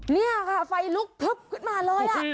นี่ค่ะไฟลุกพลึบขึ้นมาเลย